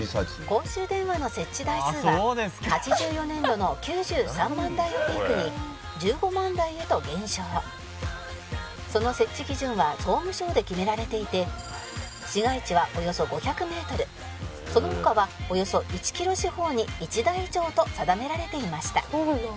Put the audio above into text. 「公衆電話の設置台数は８４年度の９３万台をピークに１５万台へと減少」「その設置基準は総務省で決められていて市街地はおよそ５００メートルその他はおよそ１キロ四方に１台以上と定められていました」